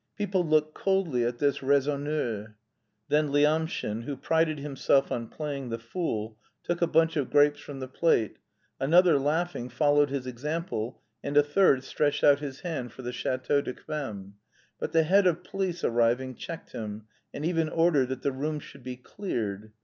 People looked coldly at this raisonneur. Then Lyamshin, who prided himself on playing the fool, took a bunch of grapes from the plate; another, laughing, followed his example, and a third stretched out his hand for the Chateau d'Yquem. But the head of police arriving checked him, and even ordered that the room should be cleared.